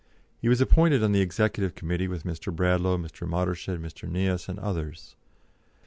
He was appointed on the Executive Committee with Mr. Bradlaugh, Mr. Mottershead, Mr. Nieass, and others.